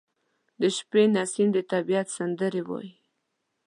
• د شپې نسیم د طبیعت سندرې وايي.